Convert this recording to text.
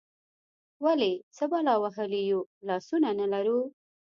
ولې، څه بلا وهلي یو، لاسونه نه لرو؟